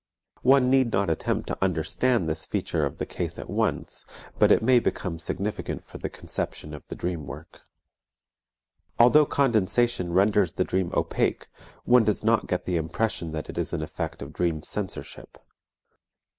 One need not attempt to understand this feature of the case at once, but it may become significant for the conception of the dream work. Although condensation renders the dream opaque, one does not get the impression that it is an effect of dream censorship.